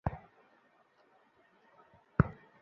এটা তোমার দোষ না।